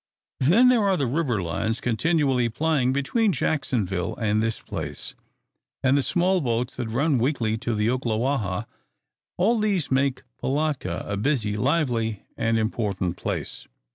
Then there are the river lines continually plying between Jacksonville and this place, and the small boats that run weekly to the Ocklawaha: all these make Pilatka a busy, lively, and important place.